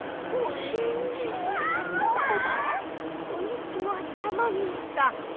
こいつはたまげた。